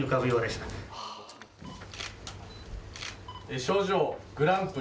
賞状、グランプリ。